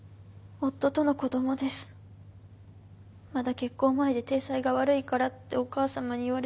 まだ結婚前で体裁が悪いからってお母さまに言われて仕方なく。